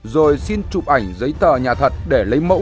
rồi xin chụp ảnh giấy tờ nhà thật để lấy mẫu